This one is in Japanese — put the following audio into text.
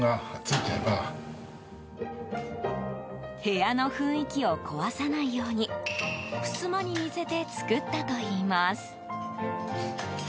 部屋の雰囲気を壊さないようにふすまに似せて作ったといいます。